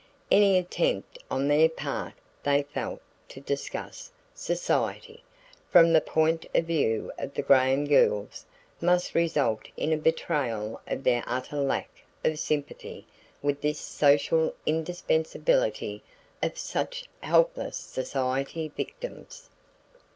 Any attempt on their part, they felt, to discuss "society" from the point of view of the Graham girls must result in a betrayal of their utter lack of sympathy with this "social indispensability" of such helpless society victims.